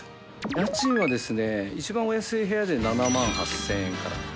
家賃はですね一番お安い部屋で７万８０００円から。